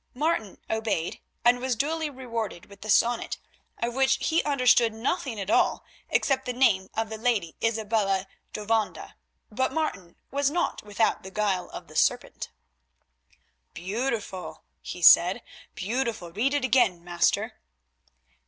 Martin obeyed, and was duly rewarded with the sonnet, of which he understood nothing at all except the name of the lady, Isabella d'Ovanda. But Martin was not without the guile of the serpent. "Beautiful," he said, "beautiful! Read it again, master."